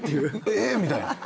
みたいな。